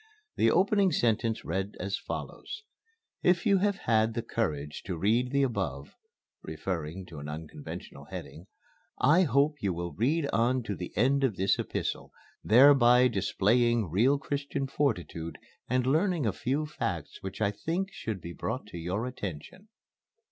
The opening sentence read as follows: "If you have had the courage to read the above" (referring to an unconventional heading) "I hope you will read on to the end of this epistle thereby displaying real Christian fortitude and learning a few facts which I think should be brought to your attention."